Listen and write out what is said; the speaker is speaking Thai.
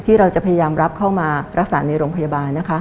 เราจะพยายามรับเข้ามารักษาในโรงพยาบาลนะคะ